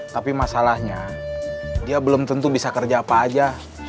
tapi masalahnya dia belum tentu bisa kerja apa aja